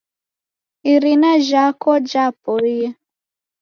Irina jhako japoie.